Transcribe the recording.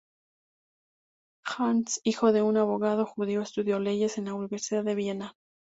Hanns, hijo de un abogado judío, estudió leyes en la Universidad de Viena.